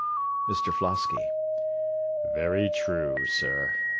MR FLOSKY Very true, sir.